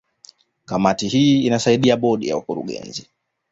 Kamati hii inasaidia Bodi ya Wakurugenzi